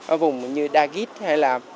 ở vùng như đa gít hay là